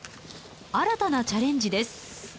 新たなチャレンジです。